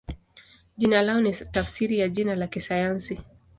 Jina lao ni tafsiri ya jina la kisayansi.